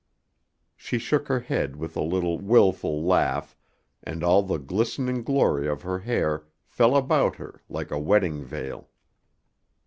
She shook her head with a little wilful laugh, and all the glistening glory of her hair fell about her like a wedding veil.